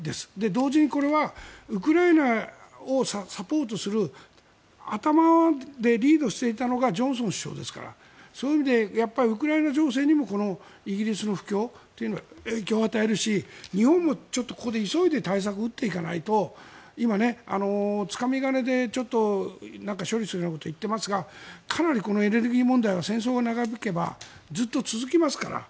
同時にこれはウクライナをサポートする頭でリードしていたのがジョンソン首相ですからそういう意味でウクライナ情勢にもイギリスの不況というのが影響を与えるし日本もちょっとここで急いで対策を打っていかないと今、つかみ金で処理するようなことを言っていますがかなりエネルギー問題は戦争が長引けばずっと続きますから。